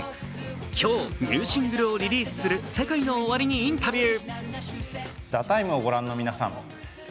今日、ニューシングルをリリースするＳＥＫＡＩＮＯＯＷＡＲＩにインタビュー。